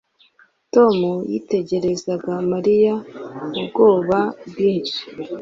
Tom yitegereza Mariya ubwoba bwinshi